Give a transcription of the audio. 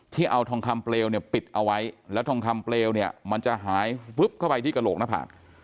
ที่เอาทองคำเปลวปิดเอาไว้และทองคำเปลวมันจะหายเข้าไปที่กระโหลกหน้าผาก